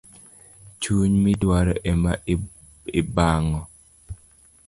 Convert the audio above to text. Chuny midwaro ema ibango